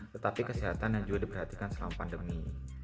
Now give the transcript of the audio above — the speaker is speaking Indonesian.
tetapi kesehatan yang juga diperhatikan selama pandemi